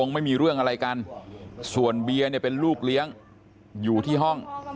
ไม่มีเรื่องอะไรกันส่วนเบียร์เนี่ยเป็นลูกเลี้ยงอยู่ที่ห้อง